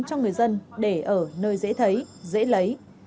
cho người dân để ở nơi dễ thấy dễ lấy